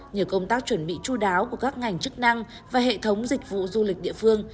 nhờ công tác chuẩn bị chú đáo của các ngành chức năng và hệ thống dịch vụ du lịch địa phương